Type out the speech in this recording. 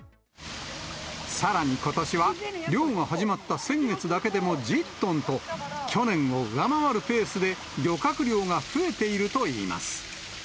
さらに、ことしは漁が始まった先月だけでも１０トンと、去年を上回るペースで漁獲量が増えているといいます。